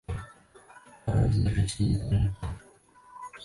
张瑞竹亦是新兴宗教山达基教知名教徒之一。